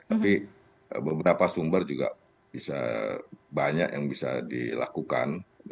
tapi beberapa sumber juga bisa banyak yang bisa dilakukan